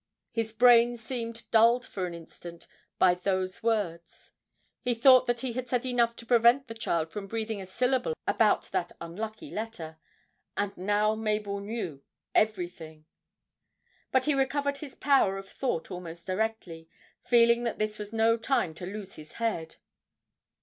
_ his brain seemed dulled for an instant by those words; he thought that he had said enough to prevent the child from breathing a syllable about that unlucky letter, and now Mabel knew 'everything!' But he recovered his power of thought almost directly, feeling that this was no time to lose his head.